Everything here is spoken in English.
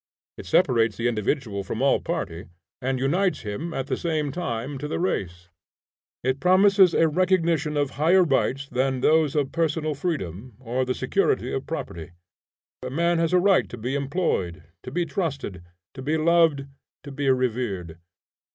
It separates the individual from all party, and unites him at the same time to the race. It promises a recognition of higher rights than those of personal freedom, or the security of property. A man has a right to be employed, to be trusted, to be loved, to be revered.